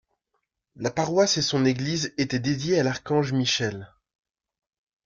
La paroisse et son église étaient dédiées à l'archange Michel.